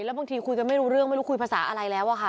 แล้วบางทีคุยกันไม่รู้เรื่องไม่รู้คุยภาษาอะไรแล้วอะค่ะ